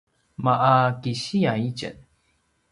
ma’a kisiya itjen